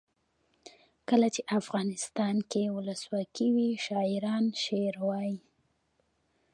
کله چې افغانستان کې ولسواکي وي شاعران شعر وايي.